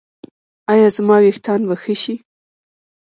ایا زما ویښتان به ښه شي؟